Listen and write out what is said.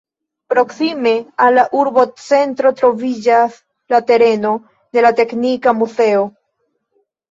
Proksime al la urbocentro troviĝas la tereno de la teknika muzeo.